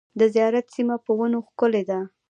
د زیارت سیمه په ونو ښکلې ده .